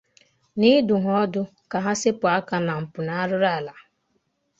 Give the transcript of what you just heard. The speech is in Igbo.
N'ịdụ ha ọdụ ka ha sepu aka na mpụ na arụrụ ala